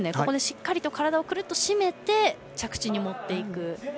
しっかりと体をくるっとしめて着地に持っていく。